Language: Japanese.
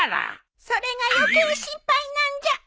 それが余計心配なんじゃ！